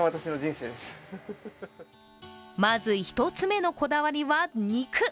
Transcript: まず、１つ目のこだわりは肉。